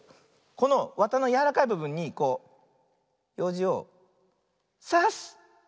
このわたのやわらかいぶぶんにこうようじをさす！